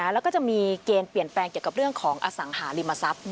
แล้วก็จะมีเกณฑ์เปลี่ยนแปลงเกี่ยวกับเรื่องของอสังหาริมทรัพย์